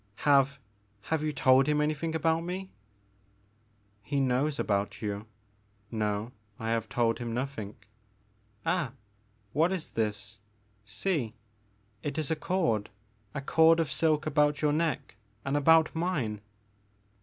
Have — ^have you told him anything about me?" *'He knows about you — ^no, I have told him nothing, — ah, what is this — see — ^it is a cord, a cord of silk about your neck — and about mine